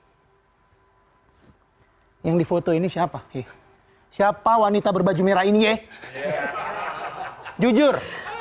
hai yang difoto ini siapa sih siapa wanita berbaju merah ini ya jujur